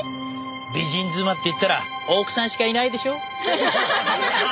美人妻って言ったら奥さんしかいないでしょ？